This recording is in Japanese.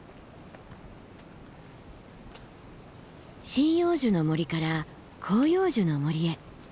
針葉樹の森から広葉樹の森へ。